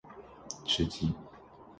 吃鸡